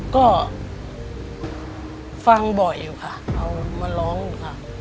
ก็ฟังบ่อยอยู่ค่ะเอามาร้องค่ะ